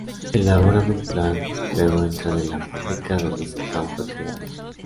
Elaboran un plan, Luego entran en la fábrica donde Satan fue creado.